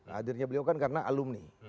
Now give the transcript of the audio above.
hadirnya beliau kan karena alumni